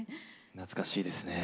懐かしいです。